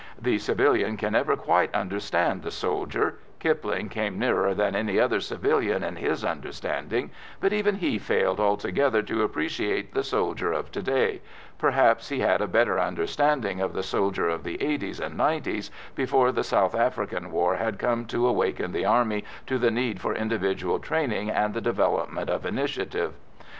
The civilian can never quite understand the soldier; Kipling came nearer than any other civilian in his understanding, but even he failed altogether to appreciate the soldier of to day perhaps he had a better understanding of the soldier of the 'eighties and 'nineties, before the South African war had come to awaken the Army to the need for individual training and the development of initiative.